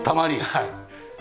はい。